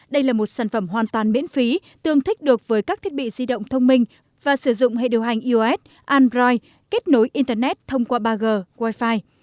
đây là một sản phẩm hoàn toàn miễn phí tương thích được với các thiết bị di động thông minh và sử dụng hệ điều hành ios android kết nối internet thông qua ba g wifi